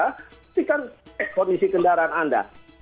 ketikan kondisi kendaraan anda